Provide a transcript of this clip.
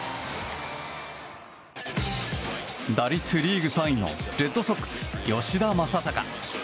打率リーグ３位のレッドソックス、吉田正尚。